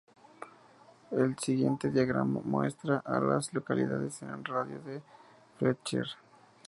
El siguiente diagrama muestra a las localidades en un radio de de Fletcher.